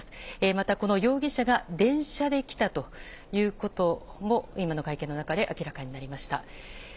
またこの容疑者が電車で来たということも今の会見の中で明らかになりました。